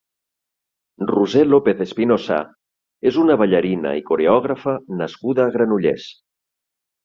Roser López Espinosa és una ballarina i coreògrafa nascuda a Granollers.